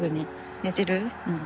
寝てる？